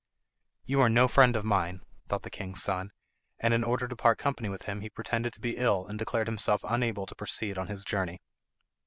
"You are no friend of mine," thought the king's son, and in order to part company with him he pretended to be ill and declared himself unable to proceed on his journey.